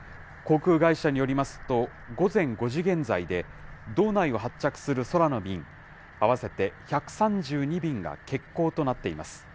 航空会社によりますと、午前５時現在で、道内を発着する空の便、合わせて１３２便が欠航となっています。